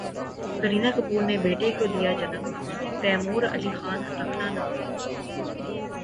کرینہ کپور نے بیٹے کو دیا جنم، تیمور علی خان رکھا نام